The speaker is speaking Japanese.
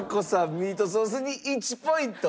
ミートソースに１ポイント。